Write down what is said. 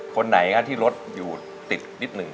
คนไหนที่รถอยู่ติดนิดหนึ่ง